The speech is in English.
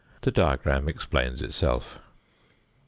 The diagram explains itself.